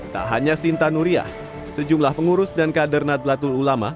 tak hanya sinta nuriyah sejumlah pengurus dan kader nadlatul ulama